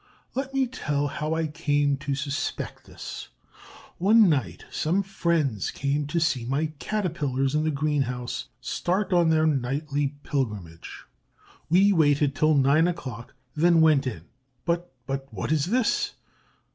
Let me tell how I came to suspect this. One night some friends came to see my Caterpillars in the greenhouse start on their nightly pilgrimage. We waited till nine o'clock, then went in. But, but ... what is this?